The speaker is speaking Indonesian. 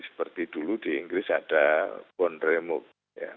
seperti dulu di inggris ada bom remote ya